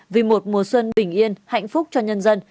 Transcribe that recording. vì một mùa xuân bình yên hạnh phúc cho nhân dân